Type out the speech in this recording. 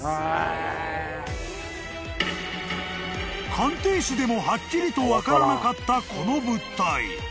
［鑑定士でもはっきりと分からなかったこの物体］